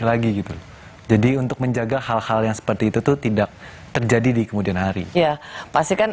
lagi gitu jadi untuk menjaga hal hal yang seperti itu tuh tidak terjadi di kemudian hari ya pastikan